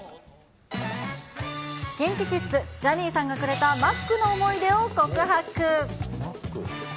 ＫｉｎＫｉＫｉｄｓ、ジャニーさんがくれたマックの思い出を告白。